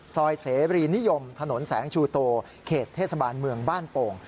เสรีนิยมถนนแสงชูโตเขตเทศบาลเมืองบ้านโป่ง